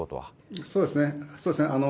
そうですね。